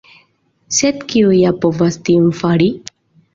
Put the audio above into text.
Sed kiu ja povas tion fari?